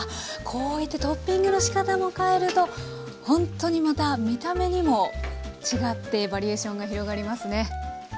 こういってトッピングのしかたも変えるとほんとにまた見た目にも違ってバリエーションが広がりますね。